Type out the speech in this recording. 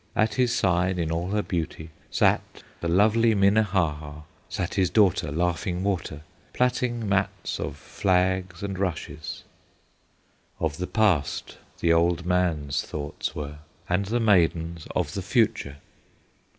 At his side, in all her beauty, Sat the lovely Minnehaha, Sat his daughter, Laughing Water, Plaiting mats of flags and rushes Of the past the old man's thoughts were, And the maiden's of the future.